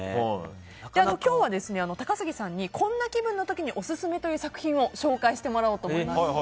今日は、高杉さんにこんな気分の時にオススメという作品を紹介してもらおうと思います。